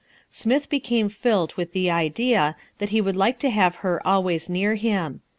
Smith became filled with the idea that he would like to have her always near him.